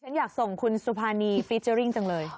ฉันอยากส่งคุณสุภานีฟีเจอร์ริ่งจังเลย